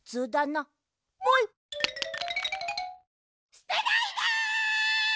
すてないで！